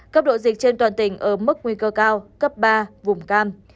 cấp độ dịch trên toàn tỉnh ở mức nguy cơ cao cấp ba vùng cam